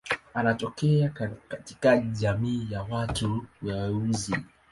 Anatokea katika jamii ya watu weusi.